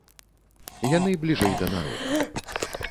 Яны бліжэй да народа.